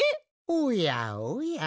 おやおや。